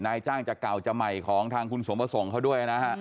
นายจ้างจะเก่าจะใหม่ของทางคุณสมประสงค์เขาด้วยนะฮะ